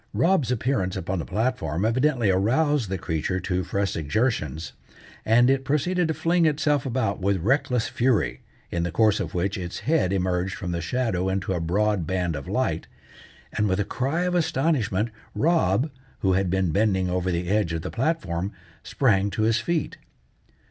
Rob's appearance upon the platform evidently aroused the creature to fresh exertions, and it proceeded to fling itself about with reckless fury, in the course of which its head emerged from the shadow into a broad band of light, and with a cry of astonishment Rob, who had been bending over the edge of the platform, sprang to his feet.